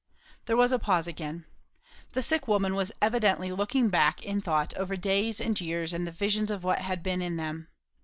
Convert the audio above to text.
There was a pause again. The sick woman was evidently looking back in thought over days and years and the visions of what had been in them.